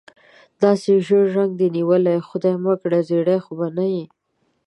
داسې ژېړ رنګ دې نیولی، خدای مکړه زېړی خو به نه یې؟